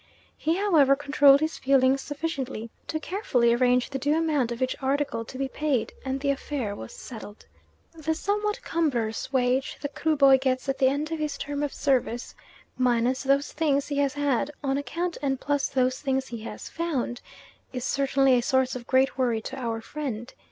He however controlled his feelings sufficiently to carefully arrange the due amount of each article to be paid, and the affair was settled. The somewhat cumbrous wage the Kruboy gets at the end of his term of service, minus those things he has had on account and plus those things he has "found," is certainly a source of great worry to our friend.